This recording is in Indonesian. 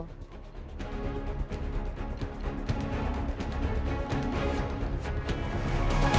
terima kasih anies